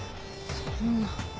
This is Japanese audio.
そんな。